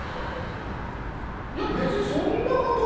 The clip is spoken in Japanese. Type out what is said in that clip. いや別にそんなことは。